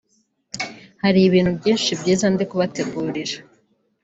Hari ibintu byinshi byiza ndikubategurira